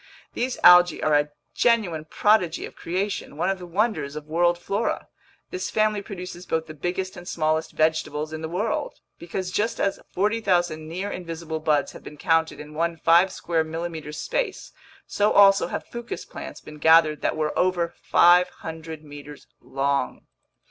These algae are a genuine prodigy of creation, one of the wonders of world flora. This family produces both the biggest and smallest vegetables in the world. Because, just as 40,000 near invisible buds have been counted in one five square millimeter space, so also have fucus plants been gathered that were over 500 meters long!